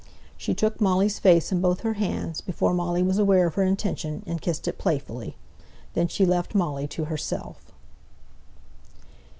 She took Molly's face in both her hands, before Molly was aware of her intention, and kissed it playfully. Then she left Molly to herself.